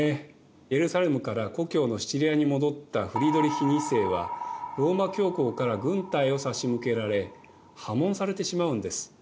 エルサレムから故郷のシチリアに戻ったフリードリヒ２世はローマ教皇から軍隊を差し向けられ破門されてしまうんです。